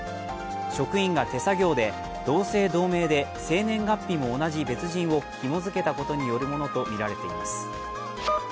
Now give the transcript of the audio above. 職員が手作業で同姓同名で生年月日も同じ別人をひも付けたことによるものだとみられています。